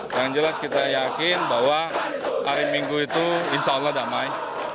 yang jelas kita yakin bahwa hari minggu itu insya allah damai